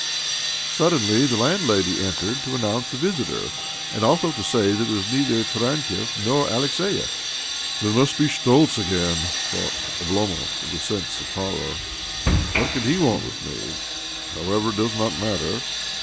16 242 OBLOMOV Suddenly the landlady entered to an nounce a visitor, and also to say that it was neither Tarantiev nor Alexiev. " Then it must be Schtoltz again !" thought Oblomov, with a sense of horror. " What can he want with me ? However, it does not matter."